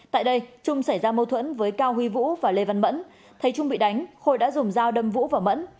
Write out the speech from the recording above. tại đây trung xảy ra mâu thuẫn với cao huy vũ và lê văn mẫn thấy trung bị đánh khôi đã dùng dao đâm vũ và mẫn